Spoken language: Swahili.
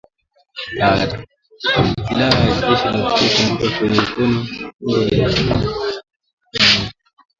Silaha za jeshi zinashukiwa kuangukia kwenye mikono ya kundi lenye sifa mbaya la Ushirika kwa Maendeleo ya Kongo.